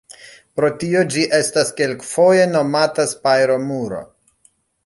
Pro tio, ĝi estas kelkfoje nomata spajro-muro.